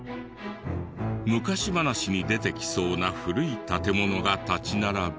昔話に出てきそうな古い建物が立ち並ぶ。